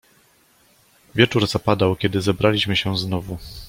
"Wieczór zapadał, kiedy zebraliśmy się znowu."